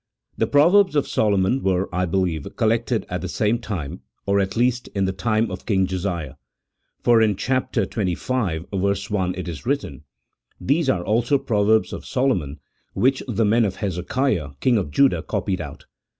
The Proverbs of Solomon were, I believe, collected at the same time, or at least in the time of King Josiah ; for in chap. xxv. 1, it is written, " These are also proverbs of Solo mon which the men of Hezekiah, king of Judah, copied out."